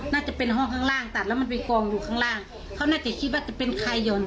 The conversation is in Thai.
น่าจะเป็นห้องข้างล่างตัดแล้วมันไปกองอยู่ข้างล่างเขาน่าจะคิดว่าจะเป็นใครหย่อน